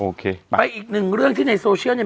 ไปอีกหนึ่งเรื่องที่ในโซเชียลเนี่ย